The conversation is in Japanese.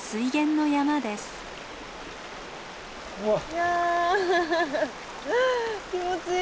いや気持ちいい！